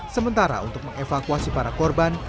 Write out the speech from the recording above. sementara untuk mengevakuasi para korban